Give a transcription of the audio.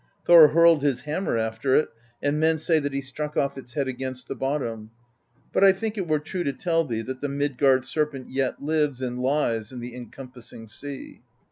Thor hurled his hammer after it; and men say that he struck off its head against the bottom; but I think it were true to tell thee that the Midgard Ser pent yet lives and lies in the encompassing sea.